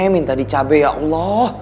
minta dicabe ya allah